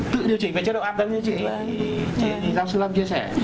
tự điều chỉnh về chế độ an tâm như chị giáo sư lâm chia sẻ